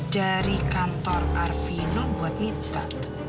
dari kantor arvino buat minta